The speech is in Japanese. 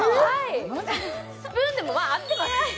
スプーンでもまあ合ってます